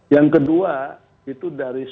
yang kedua itu dari